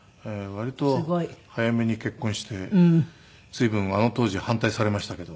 割と早めに結婚して随分あの当時は反対されましたけど。